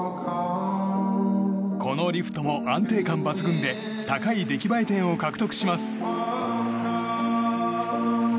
このリフトも安定感抜群で高い出来栄え点を獲得します。